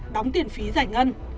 đóng tiền phí giải ngân